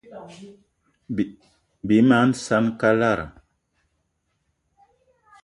Bí mag saan kalara.